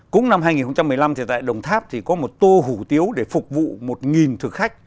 cũng năm hai nghìn một mươi năm thì tại đồng tháp thì có một tô hủ tiếu để phục vụ một thực khách